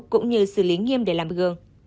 cũng như xử lý nghiêm để làm gương